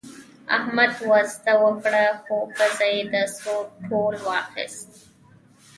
احمد وزده وکړه، خو ښځه یې د سرو په تول واخیسته.